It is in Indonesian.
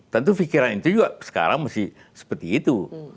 tentu pikiran itu juga sekarang mesti seperti itu